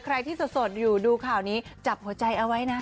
ใครที่สดอยู่ดูข่าวนี้จับหัวใจเอาไว้นะ